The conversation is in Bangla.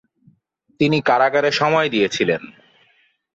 তিনি কারাগারে সময় দিয়েছিলেন।